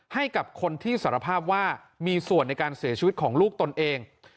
ให้กับคนที่สารภาพว่ามีส่วนในการเสียชีวิตของลูกตนเอง